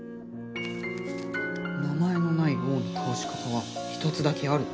「名前のない王のたおし方はひとつだけある」。